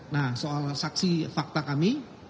nah soal saksi fakta kami